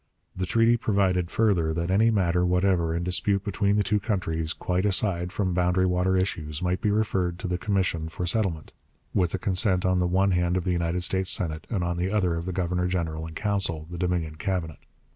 The treaty provided, further, that any matter whatever in dispute between the two countries, quite aside from boundary water issues, might be referred to the commission for settlement, with the consent on the one hand of the United States Senate, and on the other of the Governor General in Council the Dominion Cabinet.